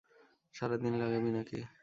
সারাদিন লাগাবি নাকি!